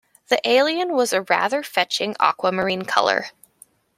The alien was a rather fetching aquamarine colour.